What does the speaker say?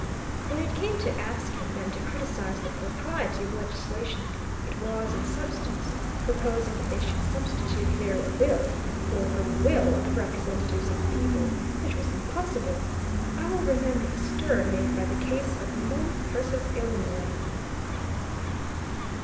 When it came to asking them to criticise the propriety of legislation, it was, in substance, proposing that they should substitute their will for the will of the representatives of the people, which was impossible. I well remember the stir made by the case of Munn v. Illinois.